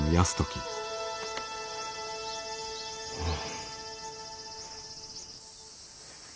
うん。